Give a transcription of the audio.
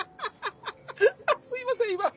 すいません